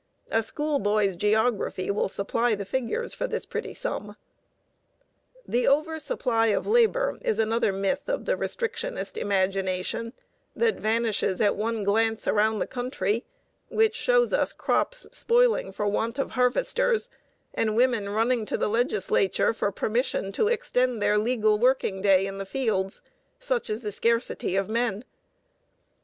A schoolboy's geography will supply the figures for this pretty sum. The over supply of labor is another myth of the restrictionist imagination that vanishes at one glance around the country, which shows us crops spoiling for want of harvesters, and women running to the legislature for permission to extend their legal working day in the fields; such is the scarcity of men.